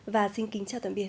và xin kính chào tạm biệt